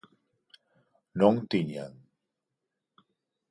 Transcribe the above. non tiñan.